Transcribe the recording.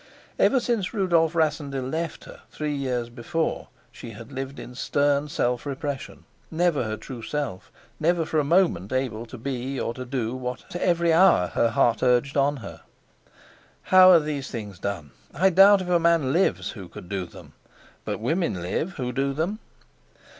Ever since Rudolf Rassendyll left her, three years before, she had lived in stern self repression, never her true self, never for a moment able to be or to do what every hour her heart urged on her. How are these things done? I doubt if a man lives who could do them; but women live who do them.